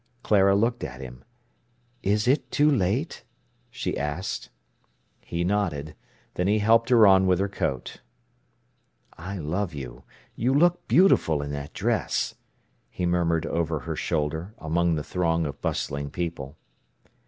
Clara looked at him. "It is too late?" she asked. He nodded. Then he helped her on with her coat. "I love you! You look beautiful in that dress," he murmured over her shoulder, among the throng of bustling people.